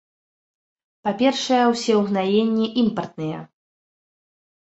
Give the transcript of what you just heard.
Па-першае, усе ўгнаенні імпартныя.